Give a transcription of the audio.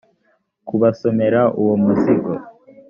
kubasomera uwo muzingo